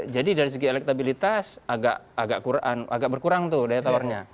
jadi dari segi elektabilitas agak berkurang tuh daya tawarnya